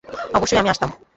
অবশ্যই আমি আসতাম।